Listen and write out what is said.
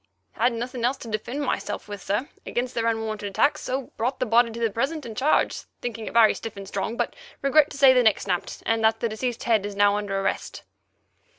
Had nothing else to defend myself with, sir, against their unwarranted attacks, so brought the body to the present and charged, thinking it very stiff and strong, but regret to say neck snapped, and that deceased's head is now under arrest."